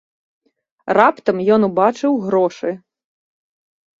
Раптам ён убачыў грошы.